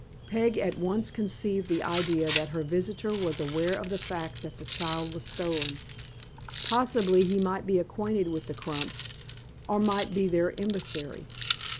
Peg at once conceived the idea that her visitor was aware of the fact that that the child was stolen possibly he might be acquainted with the Crumps, or might be their emissary.